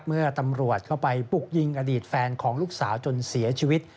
เมื่อตำรวจเข้าไปปลุกยิงอดีตแฟนของลูกสาวจนเสียชีวิต